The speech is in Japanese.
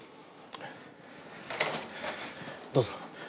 どうぞ。